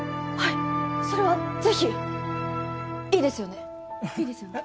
いそれはぜひいいですよねいいですよね？